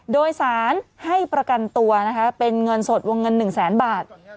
โดยสารให้ประกันตัวนะคะเป็นเงินสดวงเงิน๑แสนบาท